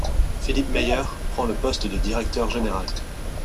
Philippe Mayer prend le poste de directeur général.